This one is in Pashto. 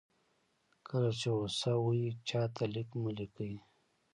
کله چې غوسه وئ چاته لیک مه لیکئ.